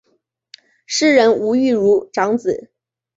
诗人吴玉如长子。